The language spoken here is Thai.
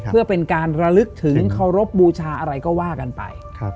เพื่อเป็นการระลึกถึงเคารพบูชาอะไรก็ว่ากันไป